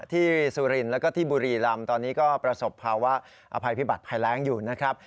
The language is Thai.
สุรินทร์แล้วก็ที่บุรีรำตอนนี้ก็ประสบภาวะอภัยพิบัติภัยแรงอยู่นะครับ